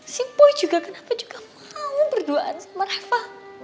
si boy juga kenapa juga mau berduaan sama reva